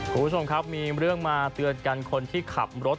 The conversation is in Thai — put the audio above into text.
คุณผู้ชมครับมีเรื่องมาเตือนกันคนที่ขับรถ